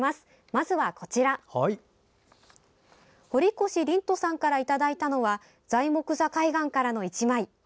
まず、堀越凜人さんからいただいたのは材木座海岸からの１枚。